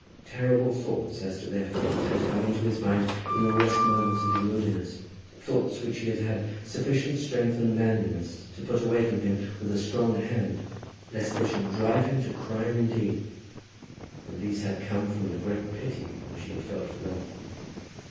Terrible thoughts as to their fate had come into his mind in the worst moments of his moodiness, thoughts which he had had sufficient strength and manliness to put away from him with a strong hand, lest they should drive him to crime indeed; and these had come from the great pity which he had felt for them.